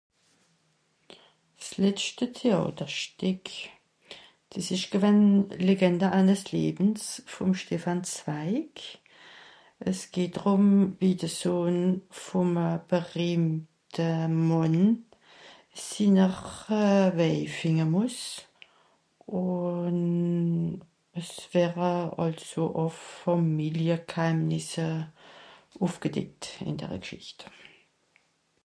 "S'letschte Teàterstìck. Dìs ìsch gewänn, ""Legender eines Legends"", vùm Stephan Zweig. Es geht drùm, wie de Sohn vùme berìhmte Mànn sinner euh... Wäj fìnde mùss ùn... es wère àlso au Fàmilie Gheimnisse ùffgedeckt, ìn dere Gschìcht."